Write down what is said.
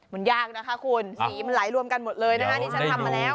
มันยากนะคะคุณสีมันไหลรวมกันหมดเลยนะคะนี่ฉันทำมาแล้ว